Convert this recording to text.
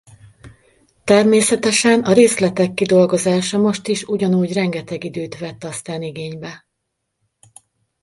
Természetesen a részletek kidolgozása most is ugyanúgy rengeteg időt vett aztán igénybe.